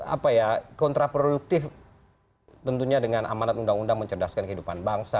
apa ya kontraproduktif tentunya dengan amanat undang undang mencerdaskan kehidupan bangsa